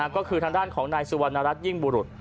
ก็คือทางด้านของนายสุวรรณรัฐยิ่งบุรุษ